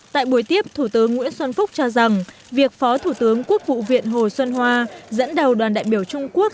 tại buổi tiếp thủ tướng nguyễn xuân phúc cho rằng việc phó thủ tướng quốc vụ viện hồ xuân hoa dẫn đầu đoàn đại biểu trung quốc